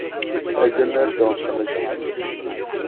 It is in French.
Elle demeure dans sa maison.